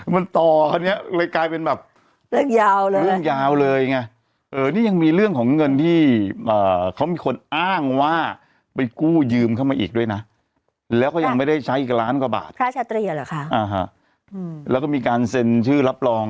ดูตอนต่อไปจะเป็นยังไงอืมเนี่ยเนาะติดตามกันอีกยาวคือ